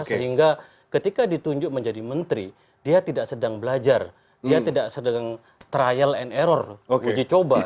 sehingga ketika ditunjuk menjadi menteri dia tidak sedang belajar dia tidak sedang trial and error uji coba